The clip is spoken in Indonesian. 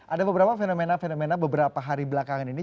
ada beberapa fenomena fenomena beberapa hari belakangan ini